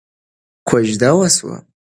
کوژده وشوه.